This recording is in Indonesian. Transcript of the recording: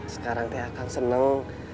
sekarang teh akang seneng